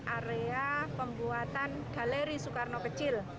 area pembuatan galeri soekarno kecil